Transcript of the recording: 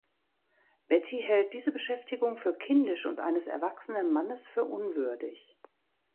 Betty hält diese Beschäftigung für kindisch und eines erwachsenen Mannes für unwürdig.